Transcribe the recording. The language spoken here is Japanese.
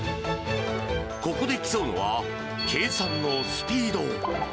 ここで競うのは、計算のスピード。